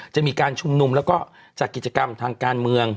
จะมีการชุมนุมแล้วก็จัดกิจกรรมทางการเมือง